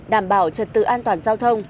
đảm bảo trật tựa an toàn giao thông